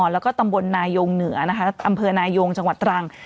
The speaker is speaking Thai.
แล้วก็ตำบลนายงเหนือนะคะอำเภอนายงจังหวัดตรัง